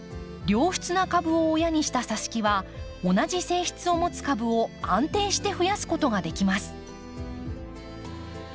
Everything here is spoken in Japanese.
良質な株を親にしたさし木は同じ性質を持つ株を安定して増やすことができます。